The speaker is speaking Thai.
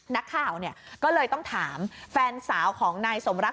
นักข่าวเนี่ยก็เลยต้องถามแฟนสาวของนายสมรัก